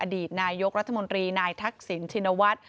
อดีตนายกรัฐมนตรีนายทักษิณชินวัฒน์